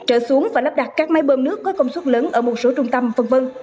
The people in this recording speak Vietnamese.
trở xuống và lắp đặt các máy bơm nước có công suất lớn ở một số trung tâm v v